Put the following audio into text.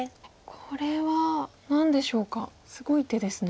これは何でしょうかすごい手ですね。